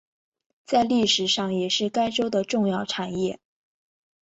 在历史上也是该州的重要产业。